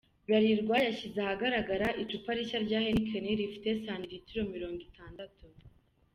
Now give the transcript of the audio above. Bralirwa yashyize ahagaragara icupa rishya rya Heineken rifite sentilitiro Mirongo Intandatu